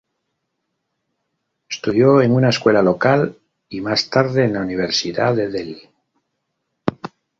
Estudió en una escuela local y más tarde en la Universidad de Delhi.